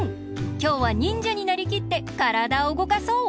きょうはにんじゃになりきってからだをうごかそう！